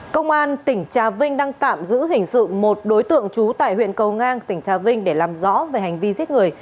công an tỉnh trà vinh đang tạm giữ hình sự một đối tượng trú tại huyện cầu ngang tỉnh trà vinh để làm rõ về hành vi giết người